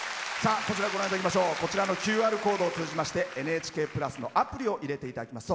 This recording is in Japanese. こちらのＱＲコードを通じまして「ＮＨＫプラス」のアプリを入れていただきますと